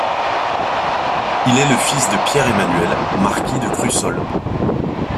Il est le fils de Pierre-Emmanuel, marquis de Crussol.